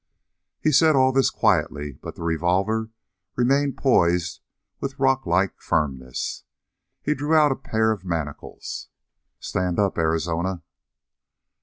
He said all this quietly, but the revolver remained poised with rocklike firmness. He drew out a pair of manacles. "Stand up, Arizona."